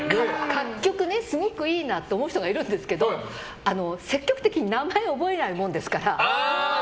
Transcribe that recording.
各局、すごくいいなと思う人がいるんですけど積極的に名前を覚えないものですから。